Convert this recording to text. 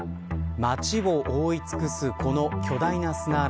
街を覆い尽くすこの巨大な砂嵐。